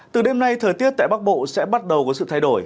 từ đêm nay thời tiết tại bắc bộ sẽ bắt đầu có sự thay đổi